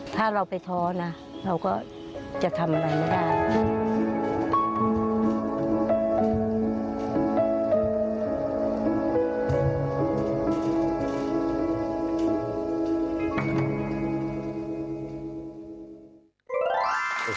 ถ้าเราไปท้อนะเราก็จะทำอะไรไม่ได้